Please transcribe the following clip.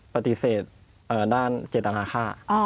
ปฏิเสธด้านเจตนาค่า